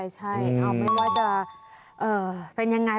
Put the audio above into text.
ใช่เอาไหมว่าจะเป็นอย่างไร